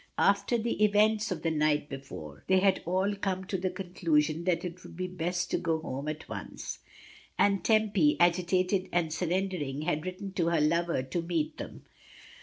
After the events of the night befcHie, they had all come to the conclusion that it would be best to go home at once. And Tempy, agitated and surrendering, had written to her lover to meet them.